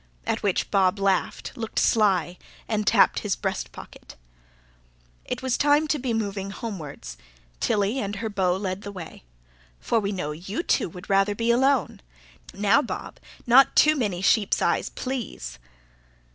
at which Bob laughed, looked sly, and tapped his breast pocket. It was time to be moving homewards. Tilly and her beau led the way. "For we know you two would rather be alone. Now, Bob, not too many sheep's eyes, please!"